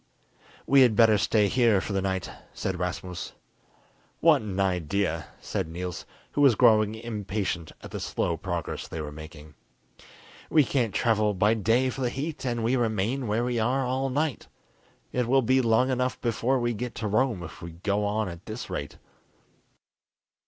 "We had better stay here for the night," said Rasmus. "What an idea!" said Niels, who was growing impatient at the slow progress they were making. "We can't travel by day for the heat, and we remain where we are all night. It will be long enough before we get to Rome if we go on at this rate."